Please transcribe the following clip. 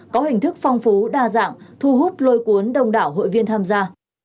có hình thức phong phú đa dạng thu hút lôi cuốn đông đảo hội viên tham gia